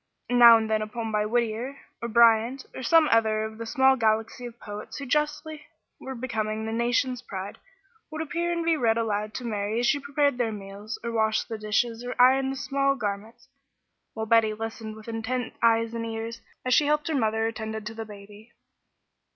Now and then a new poem by Whittier, or Bryant, or some other of the small galaxy of poets who justly were becoming the nation's pride, would appear and be read aloud to Mary as she prepared their meals, or washed the dishes or ironed small garments, while Betty listened with intent eyes and ears, as she helped her mother or tended the baby.